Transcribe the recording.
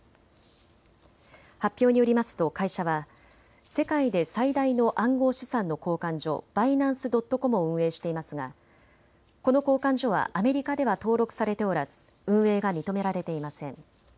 発表によりますと会社は世界で最大の暗号資産の交換所、バイナンス・ドット・コムを運営していますがこの交換所はアメリカでは登録されておらず運営が認められていません。